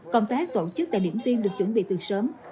công tác tổ chức tại điểm tiên được chuẩn bị từ sớm